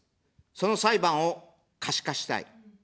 その裁判を可視化したい。